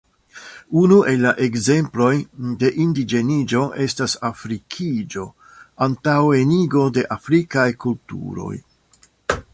Unu el la ekzemploj de indiĝeniĝo estas afrikiĝo (antaŭenigo de afrikaj kulturoj).